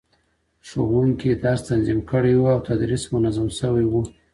ښوونکي درس تنظيم کړی و او تدريس منظم سوی و.